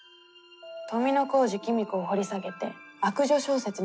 富小路公子を掘り下げて悪女小説に挑戦したい。